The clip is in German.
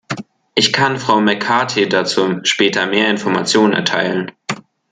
Ich kann Frau McCarthy dazu später mehr Informationen erteilen.